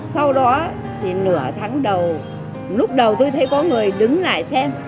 sau đó thì nửa tháng đầu lúc đầu tôi thấy có người đứng lại xem